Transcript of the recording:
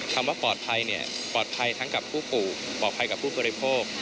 ทำว่าปลอดภัยปลอดภัยทั้งกับผู้ปู่ปลอดภัยกับผู้เครื่องโพก